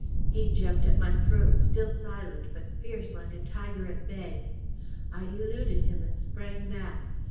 He jumped at my throat, still silent, but fierce like a tiger at bay. I eluded him, and sprang back.